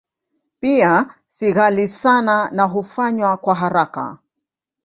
Pia si ghali sana na hufanywa kwa haraka.